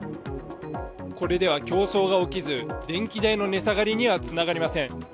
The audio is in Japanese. これでは競争が起きず、電気代の値下がりにはつながりません。